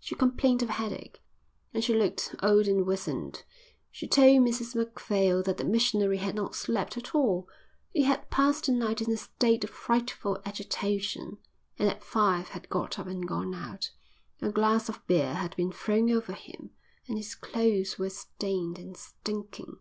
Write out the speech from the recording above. She complained of headache, and she looked old and wizened. She told Mrs Macphail that the missionary had not slept at all; he had passed the night in a state of frightful agitation and at five had got up and gone out. A glass of beer had been thrown over him and his clothes were stained and stinking.